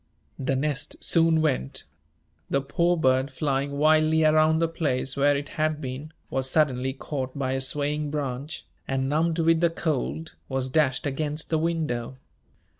The nest soon went. The poor bird, flying wildly around the place where it had been, was suddenly caught by a swaying branch, and, numbed with the cold, was dashed against the window.